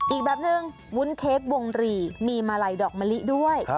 อีกแบบนึงวุ้นเค้กวงหรี่มีมาลัยดอกมะลิด้วย